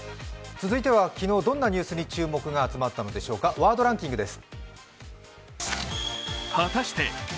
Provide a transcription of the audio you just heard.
続いては昨日どんなニュースに注目が集まったのでしょうかワードランキングです。